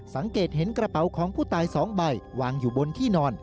สังเกตเห็นกระเป๋าของผู้ตาย๒ใบวางอยู่บนที่นอน